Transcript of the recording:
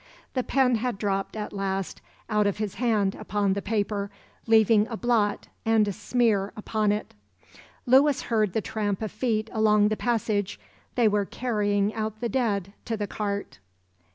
The pen had dropped at last out of his hand upon the paper, leaving a blot and a smear upon it. Lewis heard the tramp of feet along the passage; they were carrying out the dead to the cart.